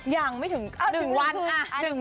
ยังไม่ถึง๑วัน